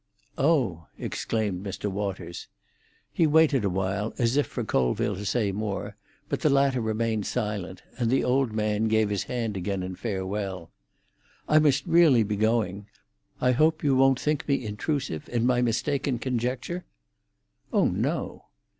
"Oh!" exclaimed Mr. Waters. He waited a while as if for Colville to say more, but the latter remained silent, and the old man gave his hand again in farewell. "I must really be going. I hope you won't think me intrusive in my mistaken conjecture?" "Oh no."